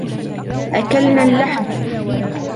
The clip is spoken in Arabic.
أكلنا اللحم.